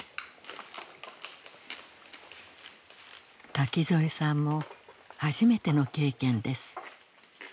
垣添さんも初めての経験です。